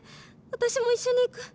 私も一緒に逝く」。